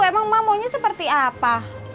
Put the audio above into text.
emang ma maunya seperti apa